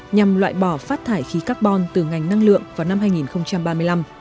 nhằm loại bỏ phát thải khí carbon từ ngành năng lượng vào năm hai nghìn ba mươi năm